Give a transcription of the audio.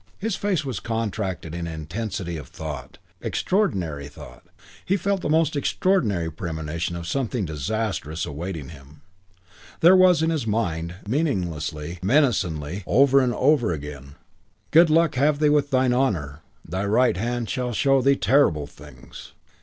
His face was contracted in intensity of thought, extraordinary thought: he felt the most extraordinary premonition of something disastrous awaiting him: there was in his mind, meaninglessly, menacingly, over and over again, "Good luck have thee with thine honour ... and thy right hand shall show thee terrible things...."